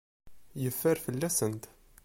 Yeffer fell-asent.